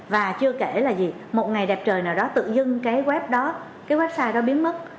và chưa kể là gì một ngày đẹp trời nào đó tự dưng cái website đó biến mất